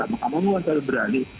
maka mau luas dari berani